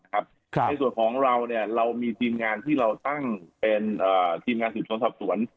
ในส่วนของเราเรามีทีมงานที่เราตั้งเป็นทีมงานสืบสวนสอบสวน